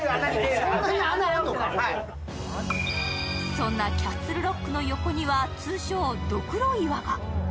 そんなキャッスルロックの横には通称・ドクロ岩が。